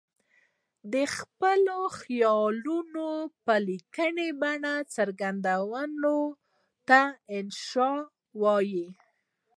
د خپلو خیالونو په لیکلې بڼه څرګندولو ته انشأ وايي.